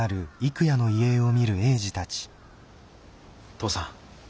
父さん。